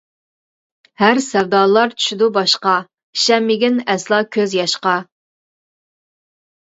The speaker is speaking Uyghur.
ھەر سەۋدالار چۈشىدۇ باشقا، ئىشەنمىگىن ئەسلا كۆز ياشقا.